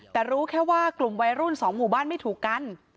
แต่รู้แค่ว่ากลุ่มวัยรุ่น๒หมู่บ้านไม่ถูกกัน